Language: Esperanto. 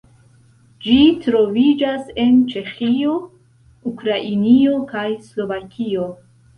Ĝi troviĝas en Ĉeĥio, Ukrainio, kaj Slovakio.